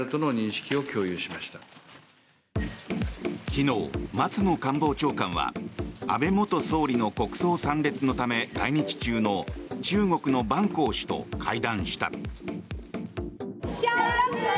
昨日、松野官房長官は安倍元総理の国葬参列のため来日中の中国のバン・コウ氏と会談した。